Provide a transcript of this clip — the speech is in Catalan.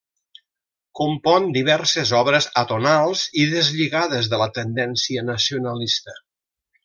Compon diverses obres atonals i deslligades de la tendència nacionalista.